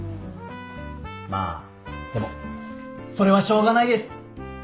まあでもそれはしょうがないです。